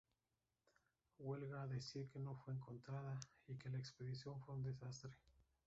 Huelga decir que no fue encontrada y que la expedición fue un desastre.